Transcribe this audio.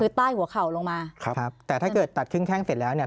ใต้หัวเข่าลงมาครับครับแต่ถ้าเกิดตัดครึ่งแข้งเสร็จแล้วเนี่ย